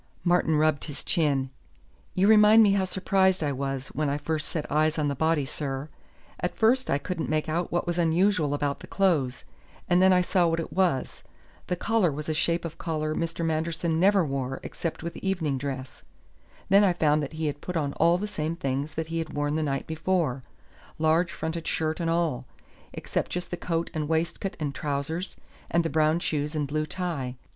Martin rubbed his chin. "You remind me how surprised I was when I first set eyes on the body, sir. At first I couldn't make out what was unusual about the clothes, and then I saw what it was. The collar was a shape of collar Mr. Manderson never wore except with evening dress. Then I found that he had put on all the same things that he had worn the night before large fronted shirt and all except just the coat and waistcoat and trousers, and the brown shoes and blue tie.